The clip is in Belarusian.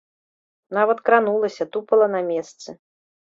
Нават кранулася, тупала на месцы.